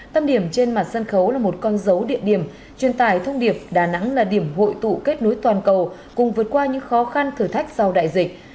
tâm điểm trên mặt sân khấu là một con dấu địa điểm truyền tải thông điệp đà nẵng là điểm hội tụ kết nối toàn cầu cùng vượt qua những khó khăn thử thách sau đại dịch